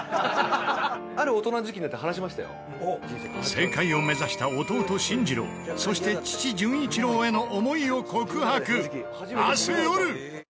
政界を目指した弟進次郎そして父純一郎への思いを告白。